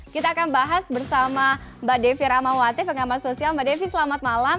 kita akan bahas bersama mbak devi ramawati pengamat sosial mbak devi selamat malam